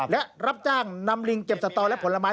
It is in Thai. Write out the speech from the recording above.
และรับจ้างนำลิงเก็บสตอและผลไม้